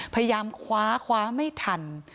พยายามคว้าคว้าไม่ทัน